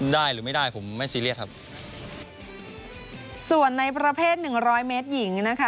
หรือไม่ได้ผมไม่ซีเรียสครับส่วนในประเภทหนึ่งร้อยเมตรหญิงนะคะ